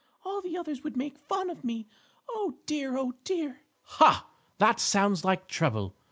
All the others would make fun of me! Oh, dear! Oh, dear!" "Ha! That sounds like trouble!"